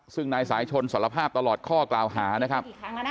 ซึ่งนายสายชนสารภาพตลอดข้อกล่าวหานะครับ